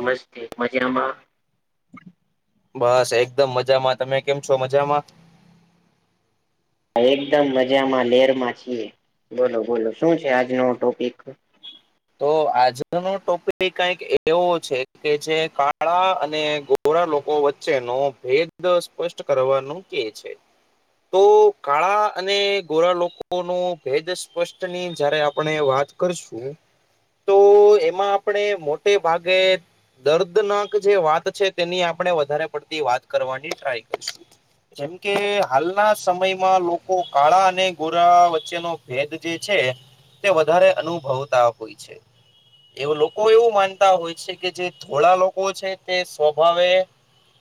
નમસ્તે મજામાં? બસ એકદમ મજામાં, તમે કેમ છો મજામાં? એકદમ મજામાં લેરમાં છીએ, બોલો બોલો શું છે આજનો ટોપિક? તો આજનો ટોપિક કઈક એવો છે કે જે કાળા અને ગોરા લોકો વચ્ચેનો ભેદ સ્પષ્ટ કરવાનું કે છે. તો અને ગોરા લોકોનું ભેદ સ્પષ્ટની આપણે વાત કર છું. તો એમાં આપણે મોટે ભાગે... દર્દનાક જે વાત છે તેની આપણે વધારે પડતી વાત કરવાની ટ્રાય કરીશું. જેમ કે હાલના સમયમાં લોકો કાળા અને ગોરા વચ્ચેનો ભેદ જે છે તે વધારે અનુભવતા હોય છે. એ લોકો એવું માનતા હોય છે કે જે ધોળા લોકો છે તે સ્વભાવે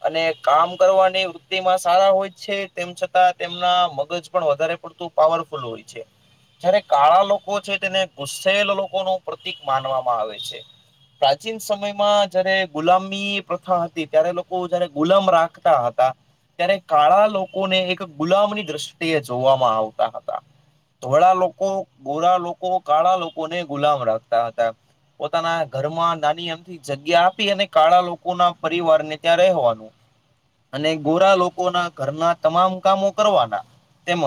અને કામ કરવાની વૃત્તિમાં સારા હોય છે તેમ છતાં તેમના મગજ પણ વધારે પણ ધૂ પરફુલ હોય છે. જયારે કાળા લોકો છે તેને ગુસેલ લોક કોનું પ્રતિક માનવામાં આવે છે. પ્રાચીન સમયમાં જયારે ગુલામી પ્રથા હતી ત્યારે લોકો જયારે ગુલામ રાખતા હતા ત્યારે કાળા લોકોને એક ગુલામની દ્રષ્ટિએ જોવામાં આવતા હતા. ધોળા લોકો ગોરા લોકો કાળા લોકોને ગુલામ રાખતા હતા. પોતાના ઘરમાં નાની હ જગ્યા આપી અને કાળા લોકોના પરિવાર ને ત્યાં રહેવાનું. અને ગોરા લોકોના ઘરના તમામ કામો કરવાના તેમજ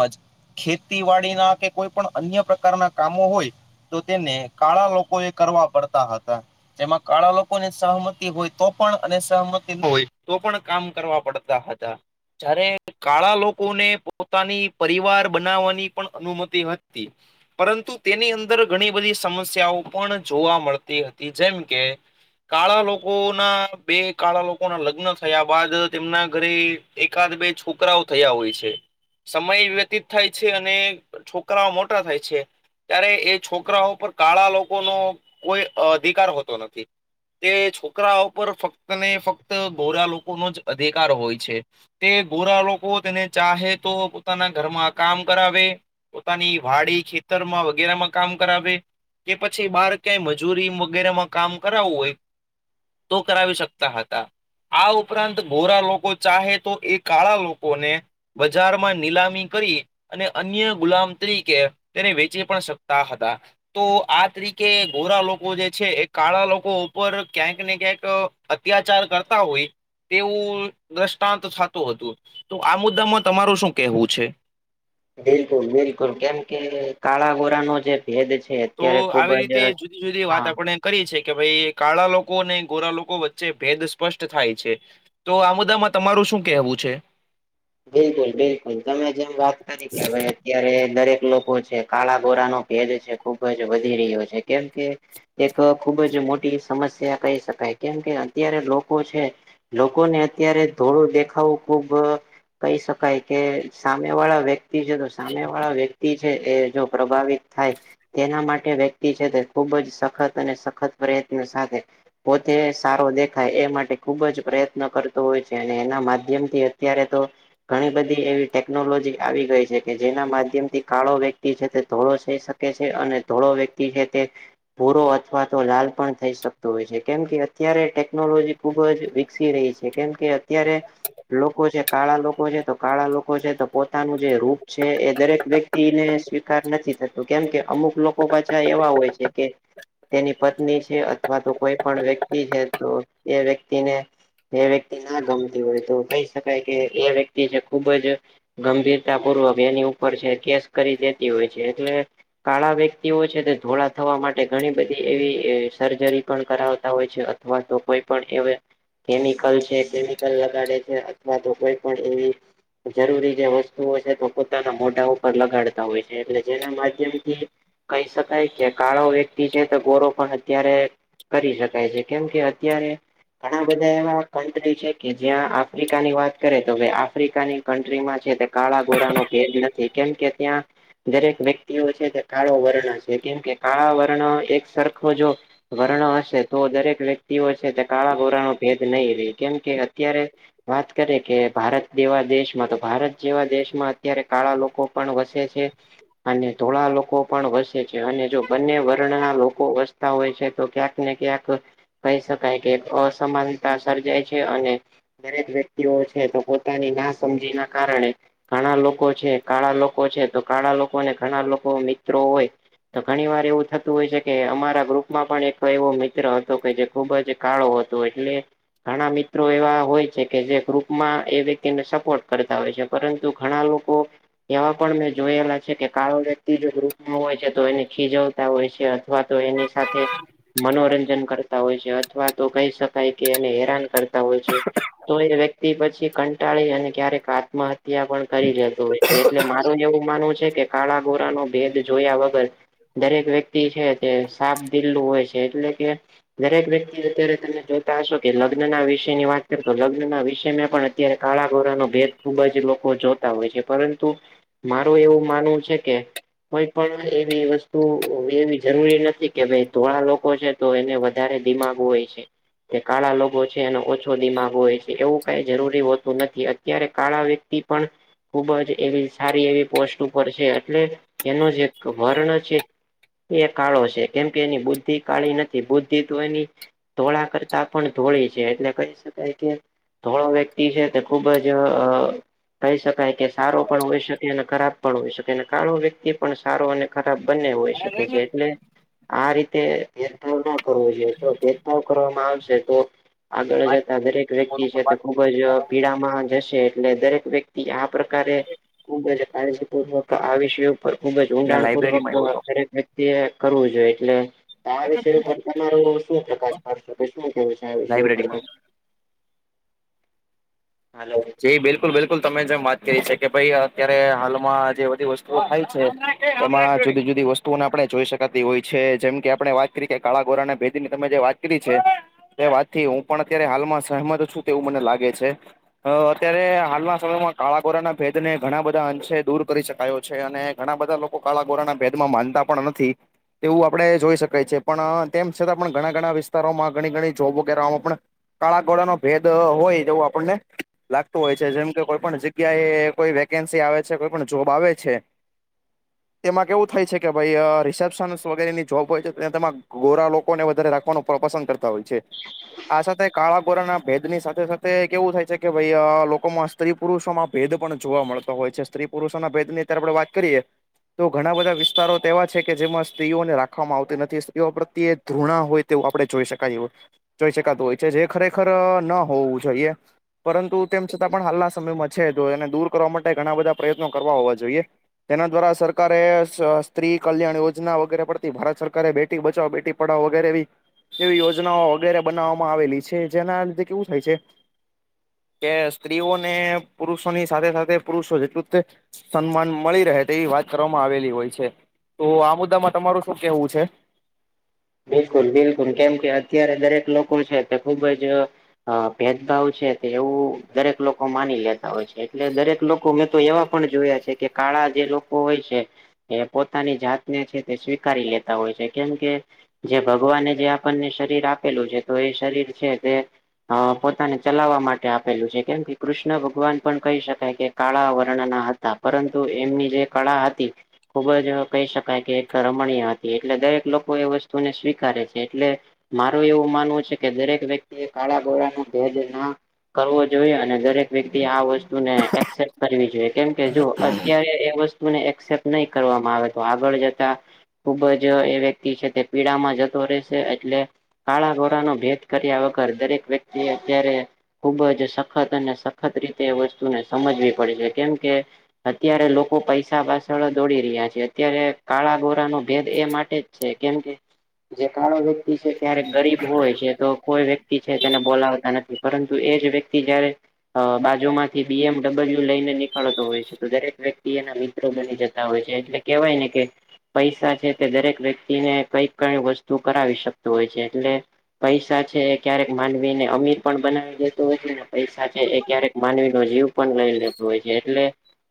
ખેતીવાડીના કે કોઈ પણ અન્ય પ્રકારના કામો હોય તો તેને કાળા લોકો એ કરવા પડતા હતા. જેમાં કાળા લોકોની સહમતી હોય તો પણ અને સહમતી ન હોય તો પણ કામ કરવા પડ તા હતા. જ્યારે કાળા લોકોને પોતાની પરિવાર બનાવવાની પણ અનુમતિ હતી. પરંતુ તેની અંદર ઘણી બધી સમસ્યાઓ પણ જોવા મળતી હતી જેમ કે કાળા લોકો ના બે કાળા લોકો ના લગ્ન થયા બાદ તેમના ઘરે એકાદ બે છોકરાઓ થયા હોય છે. સમય વ્યતીત થાય છે અને છોકરાઓ મોટા થાય છે ત્યારે એ છોકરાઓ પર કાળા લોકોનો કોઈ અધિકાર હોતો નથી. તે છોકરા ઉપર ફક્ત ને ફક્ત ગોરા લોકોનો જ અધિકાર હોય છે. તે ગોરા લોકો તેને ચાહે તો પોતાના ઘરમાં કામ કરાવે પોતાની વાડી ખેતરમાં વગેરેમાં કામ કરાવે કે પછી બાર ક્યાંય મજૂરી વગેરેમાં કામ કરાવવું હોય તો કરાવી શકતા હતા. આ ઉપરાંત ગોરા લોકો ચાહે તો એ કાળા લો કોને બજારમાં નિલામી કરી અને અન્ય ગુલામ તરીકે તેને વેચી પણ શકતા હતા. તો આ તરીકે ગોરા લોકો જે છે એ કાળા લોકો ઉપર ક્યાંક ને ક્યાંક અહ અત્યાચાર કરતા હોય. તેવું દ્રષ્ટાંત થાતું હતું તો આ મુદ્દામાં તમારું શું કેહેવું છે? બિલકુલ બિલકુલ કેમ કે કાળા ગોરા નો જે ભેદ છે તો અત્યારે ખુબ આવી જ રીતે જુદી જુદી વાત હા આપણે કરી છે કે ભઈ કાળા લોકો અને ગોરા લોકો વચ્ચે ભેદ સ્પષ્ટ થાય છે. તો આ મુદ્દામાં તમારું શું કેહેવું છે? બિલકુલ બિલકુલ તમે જેમ વાત કરી કે હવે અત્યારે દરેક લોકો છે કાળા ગોરાનો ભેદ છે ખુબ જ વધી રહ્યો છે કેમ કે એક અહ ખુબ જ મોટી સમસ્યા કહી શકાય કેમ કે અત્યારે લોકો છે લોકોને અત્યારે ધોળું દેખાવું ખુબ અહ કહી શકાય કે સામે વાળા વ્યક્તિ છે તો સામે વાળા વ્યક્તિ છે એ જો પ્રભાવિત થાય તેના માટે વ્યક્તિ છે તે ખૂબ જ સખત અને સખત પ્રયત્નો સાથે પોતે સારો દેખાય એ માટે ખુબ જ પ્રયત્ન કરતો હોય છે અને એના માધ્યમથી અત્યારે તો ઘણી બધી એવી ટેકનોલોજી આવી ગઈ છે કે જેના માધ્યમથી કાળો વ્યક્તિ છે તે ધોળો થઈ શક તે છે અને ધોળો વ્યક્તિ છે તે ભૂરો અથવા તો લાલ પણ થઈ શકતો હોય છે. કેમ કે અત્યારે ટેકનોલોજી ખુબ જ વિકસી રહી છે. કેમ કે અત્યારે લોકો છે કાળા લોક કોને તો કાળા લોકો છે તો પોતાનું જે રૂપ છે એ દરેક વ્યક્તિને સ્વીકાર નથી થત તો કેમ કે અમુક લોકો પાછા એવા હોય છે કે તેની પત્ની છે અથવા તો કોઈ પણ વ્યક્તિ છે તો એ વ્યક્તિને એ વ્યક્તિ ના ગમતી હોય તો કહી શકાય કે એ વ્યક્તિ છે ખુબ જ ગંભીરતા પૂર્વક એની ઉપર છે કેસ કરી દેતી હોય છે. એટલે કાળા વ્યક્તિઓ છે તે ધોળા થવા માટે ઘણી બધી એવી અ સર્જરી પણ કરાવતા હોય છે. અથ અથવા તો કોઈ પણ એવા કેમિકલ છે કેમિકલ લગાડે છે. અથવા તો કોઈ પણ એવી જરૂરી જે વસ્તુઓ છે તો પોતાના મોઢા ઉપર લગાડતા હોય છે. એટલે જેના માધ્યમથી કહી શકાય કે કાળો વ્યક્તિ છે તો ગોરો પણ અત્યારે કરી શકાય છે. કેમ કે અત્યારે ઘણા બધા એવા કન્ટ્રી છે કે જ્યાં આફ્રિકાની વાત કરે હવે આફ્રિકાની કન્ટ્રીમાં છે તે કાળા ગોરાનો ભેદ નથી કેમ કે ત્યાં દરેક વ્યક્તિઓ છે તે કાળો વર્ણ છે. કેમ કે કાળા વર્ણ એક સરખો જો વર્ણ હશે તો દરેક વ્યક્તિઓ છે તે કાળા ઘોરાનો ભેદ નહીં રે કેમ કે અત્યારે વાત કરીએ કે ભારત જેવા દેશમાં તો ભારત જેવા દેશમાં અત્યારે કાળા લોકો પણ વસે છે. અને ધોળા લોકો પણ વસે છે. અને જો બંને વર્ણના લોકો વસ તા હોય છે તો ક્યાંક ને ક્યાંક કહી શકાય કે એક અસમાનતા સર્જાય છે અને દરેક વ્યક્તિઓ છે તો પોતાની ના સમજી ના કારણે. ઘણા લોકો છે, કાળા લોકો છે તો કાળા લોકોને ઘણા લોકો મિત્રો હોય‌. તો ઘણી વાર એવું થતું હોય છે કે અમારા ગ્રુપમાં પણ એક એવો મિત્ર હતો કે જે ખુબ જ કાળો હતો. એટલે ઘણા મિત્રો એવા હોય છે કે જે ગ્રુપમાં એ વ્યક્તિને સપોર્ટ કરતા હોય છે. પરંતુ ઘણા લોકો એવા પણ મેં જોયેલા છે કે કાળો વ્યક્તિ જો ગૃપમાં હોય છે તો એને ખીજવ તા હોય છે અથવા તો એની સાથે મનોરંજન કરતા હોય છે. અથવા તો કહી શકાય કે એને હેરાન કરતા હોય છે. તો એ વ્યક્તિ પછી કંટાળી અને ક્યારેક આત્મહત્યા પણ કરી લેતો હોય છે. એટલે મારું એવું માનવું છે કે કાળા ગોરાનો ભેદ જોયા વગર દરેક વ્યક્તિ છે તે સાફ દિલ હોય છે એટલે કે દરેક વ્યક્તિ અત્યારે તમે જોતા હશો કે લગ્નના વિષયની વાત કરો તો લગ્નના વિષય મેં પણ અત અત્યારે કાળા ઘોરાનો ભેદ ખુબ જ લોકો જોતા હોય છે. પરંતુ મારું એવું માનવું છે કે કોઈ પણ એવી વસ્તુ એવી જરૂરી નથી કે ભાઈ ધોળા લોકો છે તો એને વધારે દિમાગ હોય છે. તે કાળા લોગો છે એનો ઓછો દિમાગ હોય છે એવું કાઈ જરૂરી હોતું નથી. અત્યારે કાળા વ્યક્તિ પણ ખુબ જ એવી સારી એવી પોસ્ટ ઉપર છે એટલે એનો જે વર્ણ છે એ કાળો છે કેમ કે એની બુદ્ધ બુદ્ધિ કાળી નથી. બુદ્ધિ તો એની ધોળા કરતા પણ ધોળી છે એટલે પસ શુ થાય કે ધોળો તે છે તે ખુબ જ અ. કહી શકાય કે સારો પણ હોઈ શકે અને ખરાબ પણ હોઇ શકે અને કાળો વ્યક્તિ પણ સારો અને ખરાબ બંને હોઇ શકે છે અહીંયા એટલે આ રીતે ભેદભાવના કરવો જોઈએ તો ભેદ [unintelligible] કરવામાં આવે છે તો આગળ જતા દરેક વ્યક્તિ છે તે ખૂબ ખૂબ જ પીડામાં જશે એટલે દરેક વ્યક્તિ આ પ્રકારે ખૂબ જ કાળજીપૂર્વક આ [unintelligible] પણ ખુબ જ લાયબ્રેરીમાં આવ્યો ઊંડાણપૂર્વકનું હતો [unintelligible] દરેક વ્યક્તિ એ કરવું જોઈએ એટલે તો આ વિષય ઉપર તમારો શું પ્રકાશ પાડશો, કે શું કેવું છે આ વિષય ઉપર લાયબ્રેરીમાં તો. [unintelligible] એ બિલકુલ બિલકુલ તમે જેમ વાત કરી છે કે ભાઈ અત્યારે હાલમાં જે બધી વસ્તુઓ આવી છે. તમામ જુદી જુદી વસ્તુઓને આપણે જોઈ શકાતી હોય છે જેમ કે આપણે વાત કરીએ કે કાળા ગોરાને ભેદની તમે જે વાત કરી છે તે વાતથી હું પણ અત્યારે હાલમાં સહમત છું તેવું મને લાગે છે. અ અત્યારે હાલના સમયમાં કાળા કોરાના ભેદ ને ઘણા બધા અંશે દૂર કરી શકાયો છે અને ઘણા બધા લો કાળા ગોરાના ભેદમાં માનતા પણ નથી. તેવું આપણે જોઈ શકાય છે પણ તેમ છતાં પણ ઘણા ઘણા વિસ્તારોમાં ઘણી ઘણી જોબ વગેરેમાં પણ કાળા ગોરાનો ભેદ હોય તેવું આપણને લાગતું હોય છે, જેમ કે કોઈ પણ જગ્યા એ કોઈ વેકેન્સી આવે છે કોઈ પણ જોબ આવે છે [inaudible] તેમાં કેવું થાય છે કે ભાઈ અ રિસેપ્શન વગેરેની જોબ હોય છેમાં ગોરા લોકોને વધારે રાખવાનો પસંદ કરતા હોય છે આ સાથે કાળા ગોરાના ભેદની સાથે સાથે કેવું થાય છે કે ભાઈ અ લોકોમાં સ્ત્રી પુરુષોમાં ભેદ પણ જોવા મળતો હોય છે સ્ત્રી પુરુષોના ભેદની અત્યારે આપણે વાત કરીએ તો ઘણા બધા વિસ્તારો તો એવા છે કે જેમાં સ્ત્રીઓને રાખવામાં આવતી નથી સ્ત્રીઓ પ્રત્યે ધૃણા હોય તેવું આપણે જોઈ શકાય એવું જોઈ શકાતું હોય છે જે ખરેખર ન હોવું જોઈએ. પરંતુ તેમ છતાં પણ હાલના સમયમાં છે જો એને દૂર કરવા માટે ઘણા બધા પ્રયત્નો કરવા હોવા જોઈએ. તેના દ્વારા સરકારે સ સ્ત્રી કલ્યાણ યોજના વગેરે પડતી ભારત સરકારે બેટી બચાવ બેટી પણ વગેરે એવી એવી યોજનાઓ વગેરે બનાવવામાં આવેલી છે જેના અંતે કેવું થાય છે કે સ્ત્રીઓને પુરુષોની સાથે સાથે પુરુષો જેટલું તે સન્માન મળી રહે તેવી વાત કરવામાં આવેલી હોય છે, તો આ મુદ્દામાં તમારું શું કહેવું છે? બિલકુલ બિલકુલ કેમ કે અત્યારે દરેક લોકો છે તે ખુબ જ અ ભેદભાવ છે તે એવું દરેક લોકો માની લેતા હોય છે એટલે દરેક લોકો મેં તો એવા પણ જોયા છે કે કાળા જે લોકો હોય છે એ પોતાની જાતને છે તે સ્વીકારી લેતા હોય છે કેમ કે જે ભગવાને જે આપણને શરીર આપેલું છે તો એ શરીર છે તે અ પોતાને ચલાવવા માટે આપેલું છે કેમ કે કૃષ્ણ ભગવાન પણ કહી શકાય કે કાળા વર્ણના હ તા પરંતુ એમની જે કળા હતી. ખુબ જ કહી શકાય કે એક રમણીય હતી એટલે દરેક લોકો એ વસ તુ ને સ્વીકારે છે એટલે મારું એવું માનવું છે કે દરેક વ્યક્તિ એ કાળા ગોરા ના ભેદ ન કરવો જોઈએ અને દરેક વ્યક્તિ આ વસ્તુને એક્સેપ્ટ કરવી જોઈએ કેમ કે જો અત્યારે એ વસ તુ ને એક્સેપ્ટ નહી કરવામાં આવે તો આગળ જતા ખુબ જ એ વ્યક્તિ છે તે પીડામાં જતો રહેશે એટલે કાળા ગોરાનો ભેદ કર્યા વગર દરેક વ્યક્તિએ અત્યારે ખુબ જ સખત અને સખત રીતે એ વસ્તુને સમજવી પડે છે કેમ કે અત્યારે લોકો પૈસા પાછળ દોડી રહ્યા છે અત્યારે કાળા ગોરાનો ભેદ એ માટે છે કેમકે જે કાળો વ્યક્તિ છે ક્યારે ગરીબ હોય છે તો કોઈ વ્ય ક્તી છે તેને બોલાવતા નથી પરંતુ એ જ વ્યક્તિ જયારે અ બાજુમાંથી બી એમ ડબલ્યુ લઈને નીકળતો હોય છે તો દરેક વ્યક્તિ એના મિત મિત્રો બની જતા હોય છે એટલે કેવાય ને કે પૈસા છે તે દરેક વ્યક્તિને કઈક કઈ વસ્તુ કરાવી શકતો હોય છે એટલે પૈસા છે એ ક્યારેક માનવીને અમીર પણ બનાવી દેતો હોય ને પૈસા છે એ ક્યારેક માનવીનો જીવ પણ લઈ લેતું હોય છે એટલે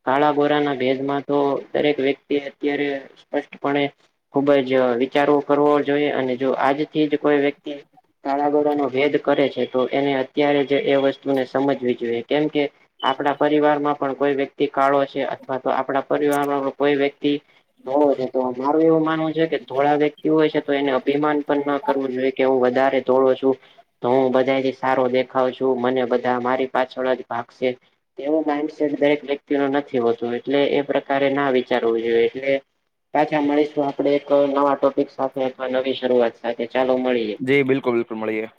કાળા ગોરાના ભેદમાં તો દરેક વ્યક્તિ અત્યારે સ્પષ્ટપણે ખુબ જ વિચારવો કરવો જોઈએ અને જો આજ થી જ કોઈ વ્યક્તિ કાળા ગોરાનો ભેદ કરે છે તો એને અત્યારે જ એ વસ્તુને સમજવી જોઈએ કેમ કે આપણા પરિવારમાં પણ કોઈ વ્યક્તિ કાળો છે અથવા તો આપણા પરિવાર કોઈ વ્યક્તિ ધોળો છે તો મારું એવું માનવું છે કે ધોળા વ્યક્તિ હોય છે તો એને અભિમાન પણ ન કરવું જોઈએ કે હું વધારે ધોળો છું તો હું બધાથી સારો દેખાવ છું મને બધા મારી પાછળ જ ભાગશે તેવું માઇન્ડસેટ દરેક વ્યક્તિ નથી હોતું એટલે એ પ્રકારે ના વિચારવું જોઈએ એટલે પાછા મળીશું એક નવા સાથે અથવા નવી શરૂઆત સાથે ચાલો મળીએ. જી બિલકુલ બિલકુલ મળીએ.